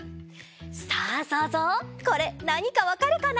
さあそうぞうこれなにかわかるかな？